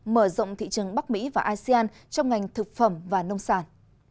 mở rộng thị trường bắc mỹ và asean trong ngành thực phẩm và nông sản